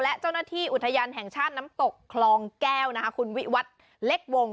และเจ้าหน้าที่อุทยานแห่งชาติน้ำตกคลองแก้วคุณวิวัตรเล็กวง